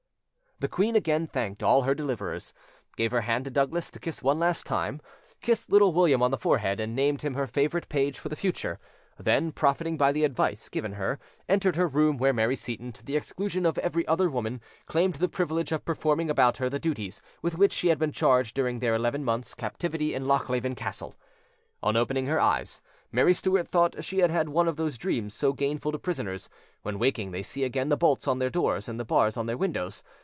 The queen again thanked all her deliverers, gave her hand to Douglas to kiss one last time, kissed Little William on the forehead, and named him her favourite page for the future; then, profiting by the advice given her, entered her room where Mary Seyton, to the exclusion of every other woman, claimed the privilege of performing about her the duties with which she had been charged during their eleven months' captivity in Lochleven Castle. On opening her eyes, Mary Stuart thought she had had one of those dreams so gainful to prisoners, when waking they see again the bolts on their doors and the bars on their windows.